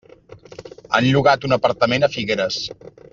Han llogat un apartament a Figueres.